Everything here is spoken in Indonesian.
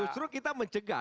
justru kita mencegah